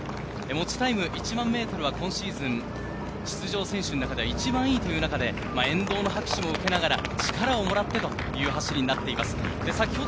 持ちタイム１００００ｍは今シーズン、出場選手の中で一番いいという中で沿道の拍手も受けながら、力をもらったという走りになっています。